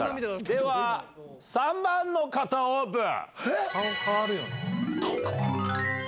では３番の方オープン！